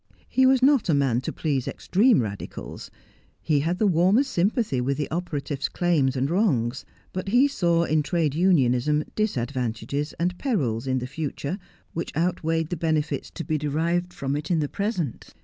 He was not a man to please extreme Radicals. He had the warmest sympathy with the operatives' claims and wrongs ; but he saw in trade unionism disadvantages and perils in the future which outweighed the benefits to be derived from it in the present.